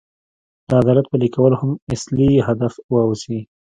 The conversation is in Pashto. د عدالت پلي کول هم اصلي هدف واوسي.